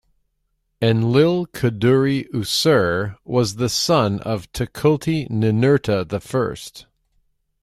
Enlil-kudurri-usur was the son of Tukulti-Ninurta the First.